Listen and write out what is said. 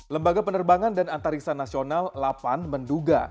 lembaga penerbangan dan antariksa nasional delapan menduga